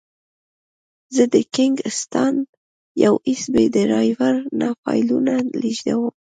زه د کینګ سټان یو ایس بي ډرایو نه فایلونه لېږدوم.